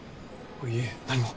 いいえ何も。